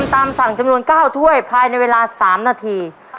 หัวหนึ่งหัวหนึ่ง